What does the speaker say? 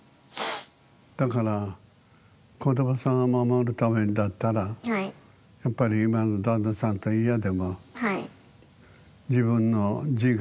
だから子どもさんを守るためにだったらやっぱり今の旦那さんと嫌でも自分の自我を通してきたんだから。